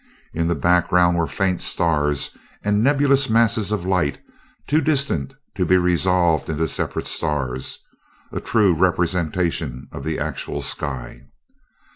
In the background were faint stars and nebulous masses of light, too distant to be resolved into separate stars a true representation of the actual sky.